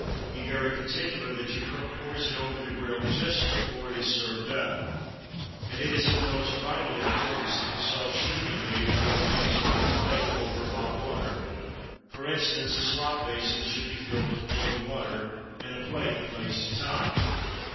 Be very particular that your cook pours it over the grill just before it is served up. And it is of the most vital importance that the sauce should be made, and well mixed, on a plate over hot water for instance, a slop basin should be filled with boiling water and a plate placed atop.